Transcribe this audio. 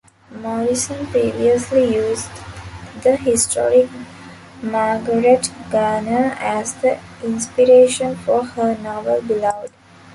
Morrison previously used the historic Margaret Garner as the inspiration for her novel "Beloved".